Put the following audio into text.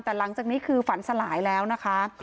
แต่หลังจากนี้คือฝันสลายแล้วนะคะ